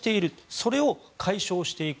それを解消していく。